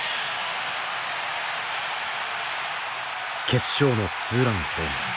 決勝のツーランホームラン。